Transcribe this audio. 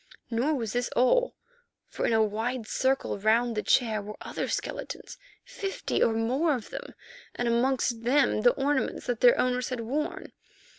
Nor was this all, for in a wide circle round the chair were other skeletons, fifty or more of them, and amongst them the ornaments that their owners had worn.